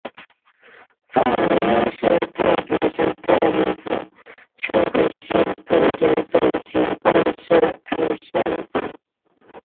范惟悠是太平省太宁府琼瑰县同直总芹泮社出生。